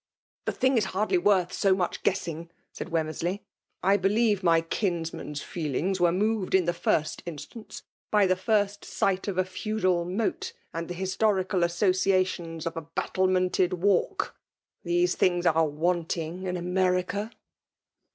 " The thing is hardly worth so much gM^^ ing, said Wemmersley. ^ 1 believe my kin«* FSM4JLB 1K>2CINATU)K^ H9 man's feelings were moved ia the fir9t instance hy the first s%ht of a feudal moat» and tlie histefical aasodationa of a battlemented walk* These thin^t^ are wantiBg in America